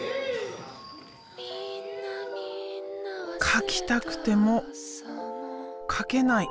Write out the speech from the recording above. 描きたくても描けない。